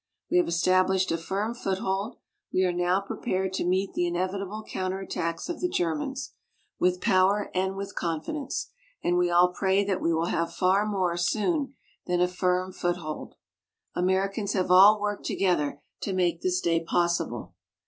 We have established a firm foothold. We are now prepared to meet the inevitable counterattacks of the Germans with power and with confidence. And we all pray that we will have far more, soon, than a firm foothold. Americans have all worked together to make this day possible.